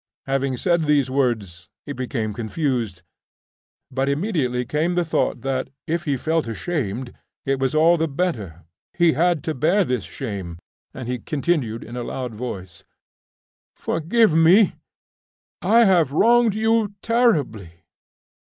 Having said these words he became confused; but immediately came the thought that, if he felt ashamed, it was all the better; he had to bear this shame, and he continued in a loud voice: "Forgive me; I have wronged you terribly."